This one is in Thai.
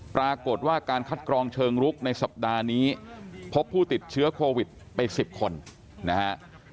ปรากฏว่าการคัดกรองเชิงลุกในสัปดาห์นี้พบผู้ติดเชื้อโควิดไป๑๐คนนะฮะ